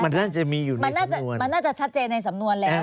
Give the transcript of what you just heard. มันน่าจะมีอยู่ในสำนวนมันน่าจะมันน่าจะชัดเจนในสำนวนแล้ว